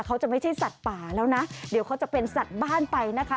ไม่ใช่สัตว์ป่าแล้วนะเดี๋ยวเขาจะเป็นสัตว์บ้านไปนะคะ